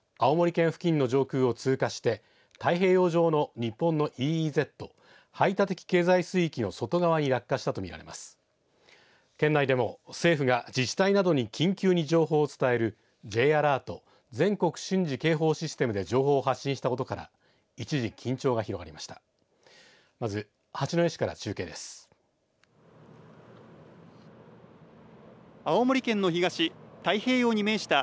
県内でも政府が自治体などに緊急に情報を伝えるＪアラート、全国瞬時警報システムで情報を発信したことから一時、緊張が広がりました。